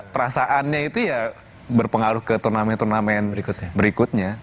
perasaannya itu ya berpengaruh ke turnamen turnamen berikutnya